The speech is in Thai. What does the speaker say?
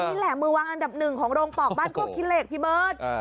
นี่แหละมือวางอันดับหนึ่งของโรงปอกบ้านโคกขี้เหล็กพี่เบิร์ต